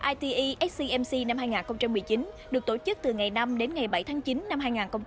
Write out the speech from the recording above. ite scmc năm hai nghìn một mươi chín được tổ chức từ ngày năm đến ngày bảy tháng chín năm hai nghìn một mươi chín